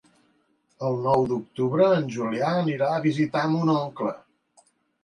El nou d'octubre en Julià irà a visitar mon oncle.